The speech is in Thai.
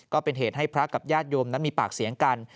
ก็เป็นเหตุให้พระกับญาติโยมนั้นมีปากเสียงกัน